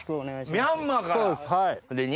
ミャンマーから！